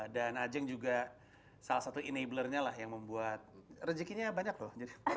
dan ajeng juga salah satu enabler nya lah yang membuat rezekinya banyak loh